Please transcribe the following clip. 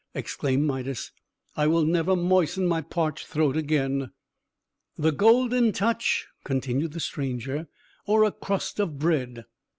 exclaimed Midas. "I will never moisten my parched throat again!" "The Golden Touch," continued the stranger, "or a crust of bread?"